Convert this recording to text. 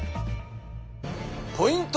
ポイント